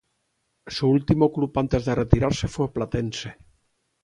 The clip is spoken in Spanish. Su último club antes de retirarse fue Platense.